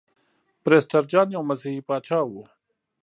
پرسټر جان یو مسیحي پاچا و.